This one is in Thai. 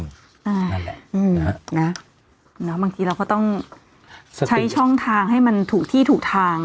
นั่นแหละนะบางทีเราก็ต้องใช้ช่องทางให้มันถูกที่ถูกทาง